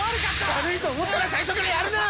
悪いと思ったら最初からやるな！